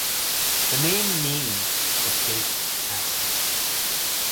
The name means "the big castle".